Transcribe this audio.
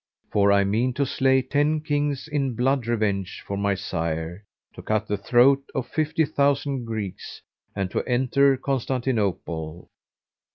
for I mean to slay ten Kings in blood revenge for my sire, to cut the throat of fifty thousand Greeks and to enter Constantinople."